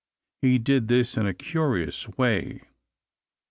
He did this in a curious way.